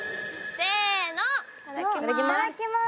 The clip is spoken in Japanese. いただきます。